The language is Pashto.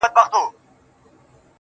• اوس هره شپه سپينه سپوږمۍ.